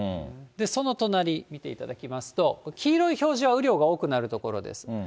その隣、見ていただきますと、黄色い表示は雨量が多くなる所です。